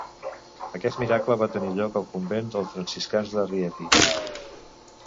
Aquest miracle va tenir lloc al convent dels franciscans de Rieti.